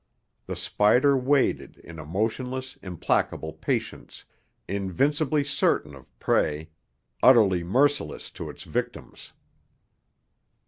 The spider waited in a motionless, implacable patience, invincibly certain of prey, utterly merciless to its victims.